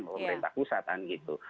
pemerintah pusat dan gitu